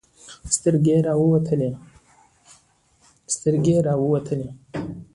سترګې يې راوتلې وې.